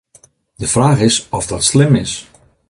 De fraach is oft dat slim is.